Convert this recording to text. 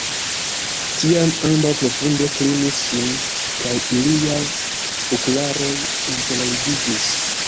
Tiam ambaŭ profunde klinis sin, kaj iliaj buklaroj interligiĝis.